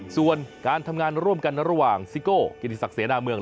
ส่วนการทำงานร่วมกันระหว่างซิโก้กิติศักดิเสนาเมือง